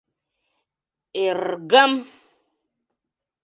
Эр-ргым!